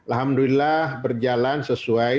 alhamdulillah berjalan sesuai